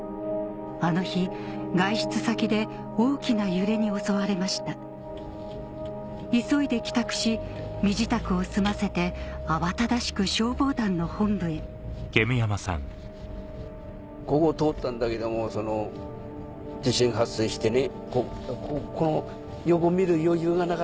あの日外出先で大きな揺れに襲われました急いで帰宅し身支度を済ませて慌ただしく消防団の本部へ地震発生してね。